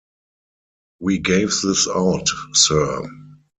We gave this out, sir.